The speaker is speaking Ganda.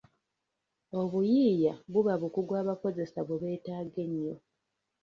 Obuyiiya buba bukugu abakozesa bwe beetaaga ennyo.